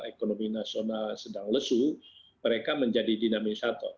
ekonomi nasional sedang lesu mereka menjadi dinamisator